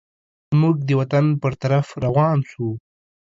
موږ د وطن پر طرف روان سوو.